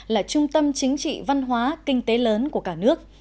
là trung tâm chính trị văn hóa kinh tế lớn của cả nước